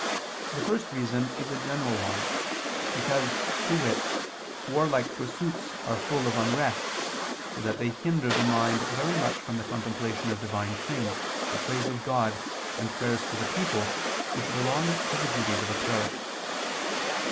The first reason is a general one, because, to wit, warlike pursuits are full of unrest, so that they hinder the mind very much from the contemplation of Divine things, the praise of God, and prayers for the people, which belong to the duties of a cleric.